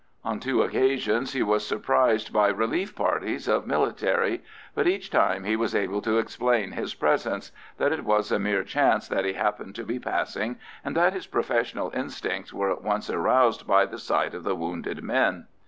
On two occasions he was surprised by relief parties of military, but each time he was able to explain his presence—that it was a mere chance that he happened to be passing, and that his professional instincts were at once aroused by the sight of the wounded men.